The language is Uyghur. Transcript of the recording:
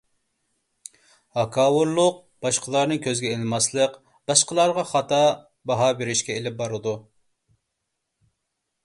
ھاكاۋۇرلۇق، باشقىلارنى كۆزگە ئىلماسلىق باشقىلارغا خاتا باھا بېرىشكە ئېلىپ بارىدۇ.